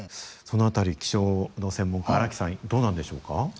その辺り気象の専門家荒木さんどうなんでしょうか。